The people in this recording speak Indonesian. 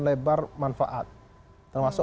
lebar manfaat termasuk